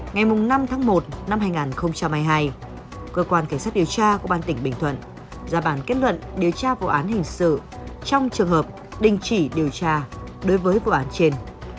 ngày năm tháng một năm hai nghìn hai mươi hai cơ quan cảnh sát điều tra công an tỉnh bình thuận ra bản kết luận điều tra vụ án hình sự trong trường hợp đình chỉ điều tra đối với vụ án trên